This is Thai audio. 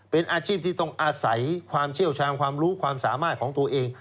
เป็นอาชีพที่ต้องอาศัยความเชี่ยวชาญความรู้ความสามารถของตัวเอง